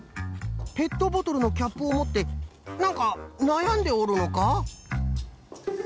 ペットボトルのキャップをもってなんかなやんでおるのか？